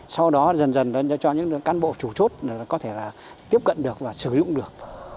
sau đó dần dần cho những cán bộ chủ chốt có thể là tiếp cận được và sử dụng được